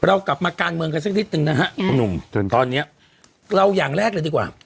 เรากลับมาการเมืองกันสักนิดนึงนะฮะคุณหนุ่มถึงตอนเนี้ยเราอย่างแรกเลยดีกว่า